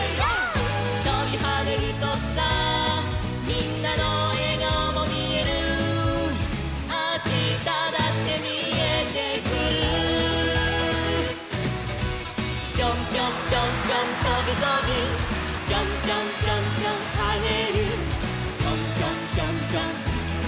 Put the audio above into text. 「」「とびはねるとさみんなのえがおもみえる」「あしただってみえてくる」「ぴょんぴょんぴょんぴょんとびとび」「ぴょんぴょんぴょんぴょんはねる」「ぴょんぴょんぴょんぴょんちきゅうを」